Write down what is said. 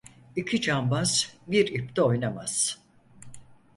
İki cambaz bir ipte oynamaz.